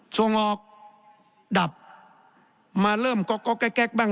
ส่งออกดับมาเริ่มก๊อกแก๊กบ้าง